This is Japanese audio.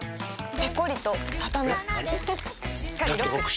ペコリ！とたたむしっかりロック！